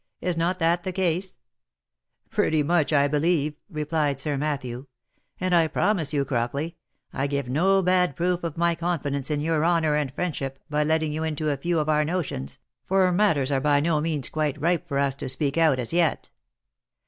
Is not that the case V " Pretty much I believe," replied Sir Matthew ;" and I promise you, Crockley, I give no bad proof of my confidence in your honour and friendship, by letting you into a few of our notions, for matters are by no means quite ripe for us to speak out, as yet.